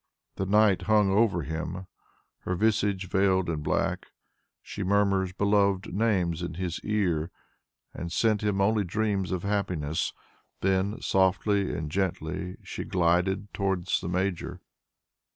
The night hung over him, her visage veiled in black; she murmured beloved names in his ear, and sent him only dreams of happiness; then, softly and gently, she glided towards the Major.